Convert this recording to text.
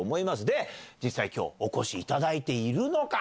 で実際今日お越しいただいているのか？